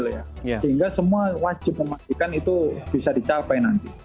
sehingga semua wajib memastikan itu bisa dicapai nanti